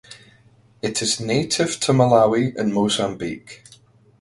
It is native to Malawi and Mozambique.